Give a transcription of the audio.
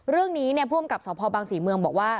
เรื่องนี้ผู้อำกับสพบางศรีเมืองบอกว่า